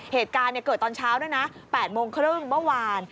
เหตุการณ์เกิดตอนเช้าด้วยนะ๘โมงครึ่งเมื่อวาน